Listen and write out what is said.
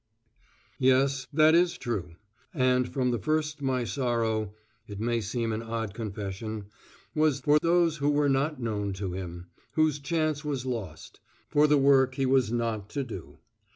Yes, that is true; and from the first my sorrow (it may seem an odd confession) was for those who were not to know him, whose chance was lost, for the work he was not to do.